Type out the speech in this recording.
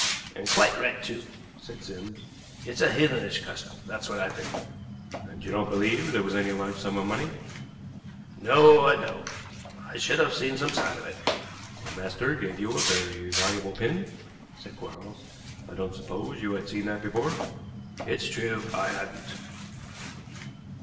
"And quite right, too," said Sims. "It's a heathenish custom, that's what I think." "And you don't believe there was any large sum of money?" "No, I don't. I should have seen some sign of it." "Your master gave you a very valuable pin," said Quarles; "I don't suppose you had seen that before." "It's true, I hadn't."